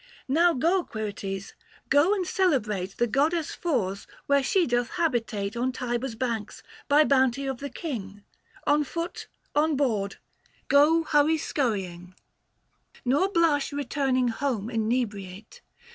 Now go, Quirites, go and celebrate The goddess Fors where she doth habitate On Tiber's banks, by bounty of the king; On foot, on board, go hurry skurrying, 935 208 THE FASTI. Book VI. Nor blush returning home inebriate.